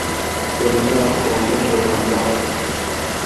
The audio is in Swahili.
Kuenea kwa ugonjwa wa chambavu